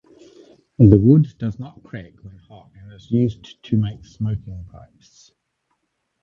The wood does not crack when hot and is used to make smoking pipes.